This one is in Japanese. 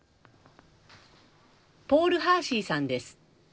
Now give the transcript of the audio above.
ポール・ハーシーさんです。